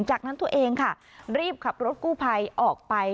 จากนั้นตัวเองค่ะรีบขับรถกู้ภัยออกไป